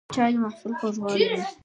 چای د محفل خوږوالی دی